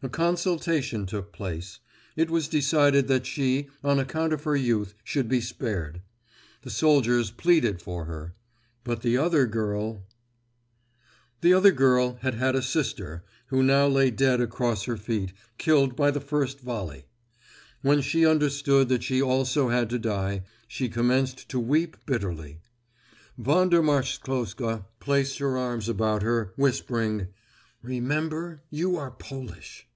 A consultation took place; it was decided that she, on account of her youth, should be spared. The soldiers pleaded for her. But the other girl————. The other girl had had a sister who now lay dead across her feet, killed by the first volley. When she understood that she also had to die, she commenced to weep bitterly. Wanda Marchzcloska placed her arms about her, whispering, "Remember, you are Polish."